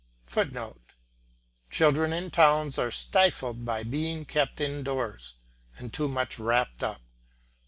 [Footnote: Children in towns are stifled by being kept indoors and too much wrapped up.